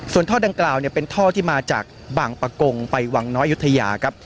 ส่วนท่อดังกล่าวเป็นท่อที่มาจากบางปะกงไปวังน้อยยุธยาครับ